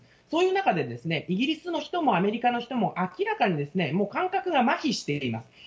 そういう中で、イギリスの人もアメリカの人も、明らかにもう感覚がまひしています。